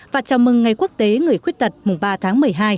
và chào mừng ngày quốc tế người khuyết tật mùng ba tháng một mươi hai